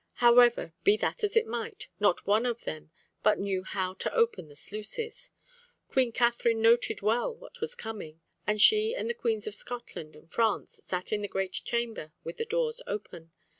However, be that as it might, not one of them but knew how to open the sluices. Queen Katharine noted well what was coming, and she and the Queens of Scotland and France sat in the great chamber with the doors open.